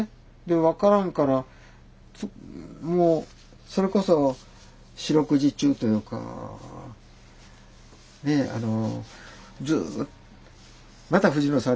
分からんからもうそれこそ四六時中というかねえ「また藤野さん